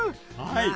はい。